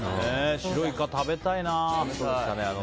白イカ食べたいな。